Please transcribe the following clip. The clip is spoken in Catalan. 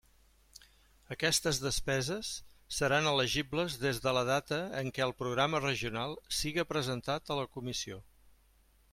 Aquestes despeses seran elegibles des de la data en què el programa regional siga presentat a la Comissió.